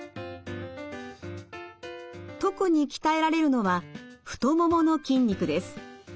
特に鍛えられるのは太ももの筋肉です。